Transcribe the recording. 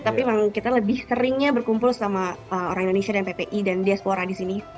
tapi memang kita lebih seringnya berkumpul sama orang indonesia dan ppi dan diaspora di sini